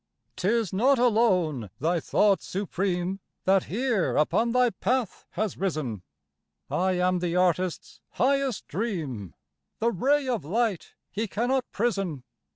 "'Tis not alone thy thought supreme That here upon thy path has risen; I am the artist's highest dream, The ray of light he cannot prison.